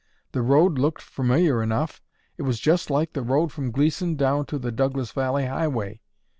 The road looked familiar enough. It was just like the road from Gleeson down to the Douglas valley highway.